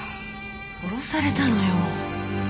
殺されたのよ。